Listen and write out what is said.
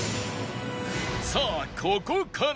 さあここから